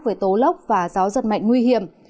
với tố lốc và gió giật mạnh nguy hiểm